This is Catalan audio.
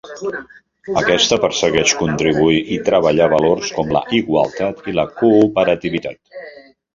Aquesta persegueix contribuir i treballar valors com la igualtat i la cooperativitat.